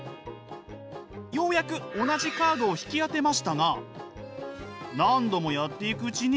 ようやく同じカードを引き当てましたが何度もやっていくうちに。